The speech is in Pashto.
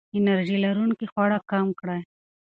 انرژي لرونکي خواړه کم کړئ.